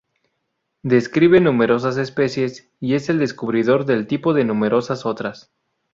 Describe numerosas especies y es el descubridor del tipo de numerosas otras.